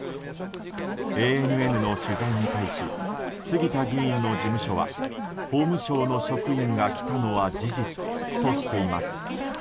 ＡＮＮの取材に対し杉田議員の事務所は法務省の職員が来たのは事実としています。